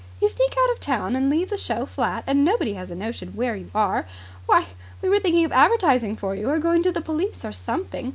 You sneak out of town and leave the show flat, and nobody has a notion where you are. Why, we were thinking of advertising for you, or going to the police or something.